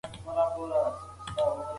انټرنيټ د معلوماتو یوه لویه خزانه ده.